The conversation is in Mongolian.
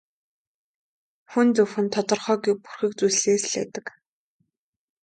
Хүн зөвхөн тодорхойгүй бүрхэг зүйлсээс л айдаг.